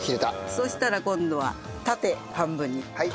そしたら今度は縦半分に。